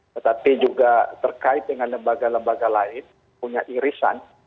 tetapi juga terkait dengan lembaga lembaga lain punya irisan